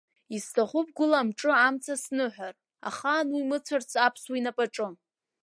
Исҭахуп гәыла амҿы-мца сныҳәар, ахаан уи мыцәарц аԥсуа инапаҿы!